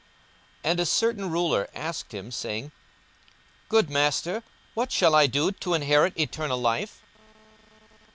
42:018:018 And a certain ruler asked him, saying, Good Master, what shall I do to inherit eternal life?